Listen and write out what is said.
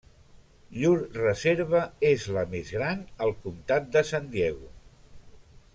Llur reserva és la més gran al Comtat de San Diego.